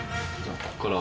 ここから。